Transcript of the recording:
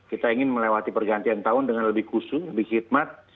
kita ingin melewati pergantian tahun dengan lebih khusu lebih khidmat